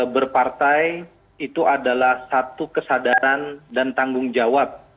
berpartai itu adalah satu kesadaran dan tanggung jawab